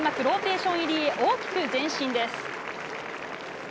ローテーション入りへ大きく前進です。